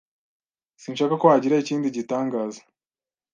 Sinshaka ko hagira ikindi gitangaza.